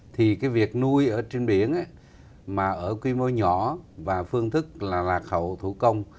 thì cái việc nuôi ở trên biển mà ở quy mô nhỏ và phương thức là lạc hậu thủ công